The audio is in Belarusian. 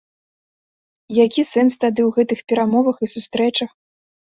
І які сэнс тады ў гэтых перамовах і сустрэчах?